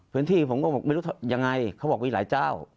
พื้นที่ผมก็ไม่รู้ยังไงเขาบอกว่ามีหลายเจ้า